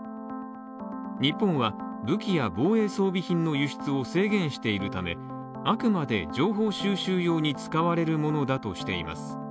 日本は武器や防衛装備品の輸出を制限しているため、あくまで情報収集用に使われるものだとしています、